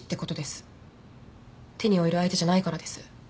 手に負える相手じゃないからです。